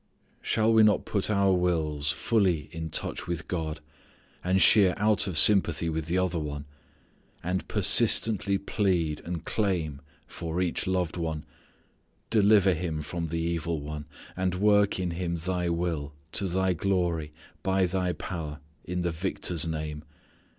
Shall we not put our wills fully in touch with God, and sheer out of sympathy with the other one, and persistently plead and claim for each loved one, "deliver him from the evil one, and work in him Thy will, to Thy glory, by Thy power, in the Victor's name."